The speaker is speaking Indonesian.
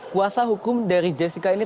kuasa hukum dari jessica ini